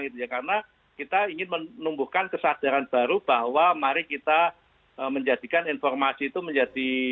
karena kita ingin menumbuhkan kesadaran baru bahwa mari kita menjadikan informasi itu menjadi